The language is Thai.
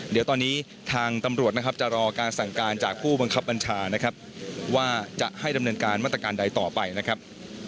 เดี๋ยวตอนนี้ทางตำรวจนะครับจะรอการสั่งการจากผู้บังคับบัญชานะครับว่าจะให้ดำเนินการมาตรการใดต่อไปนะครับ